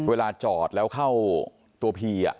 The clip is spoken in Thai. เวลาจอดแล้วเข้าตัวพี